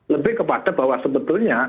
lebih kepada bahwa sebetulnya